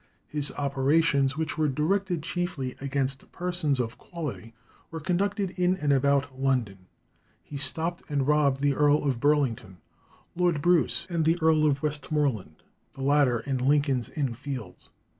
His operations, which were directed chiefly against persons of quality, were conducted in and about London. He stopped and robbed the Earl of Burlington, Lord Bruce, and the Earl of Westmoreland, the latter in Lincoln's Inn Fields.